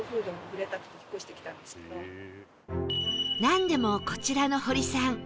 なんでもこちらの堀さん